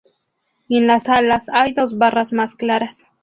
En las alas, hay dos barras más claras.